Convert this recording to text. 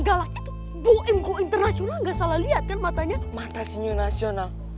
galak itu boimku international nggak salah liatkan matanya mata sinyo nasional